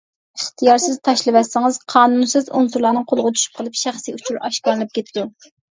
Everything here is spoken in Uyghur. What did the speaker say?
ئىختىيارسىز تاشلىۋەتسىڭىز، قانۇنسىز ئۇنسۇرلارنىڭ قولىغا چۈشۈپ قېلىپ، شەخسىي ئۇچۇر ئاشكارىلىنىپ كېتىدۇ.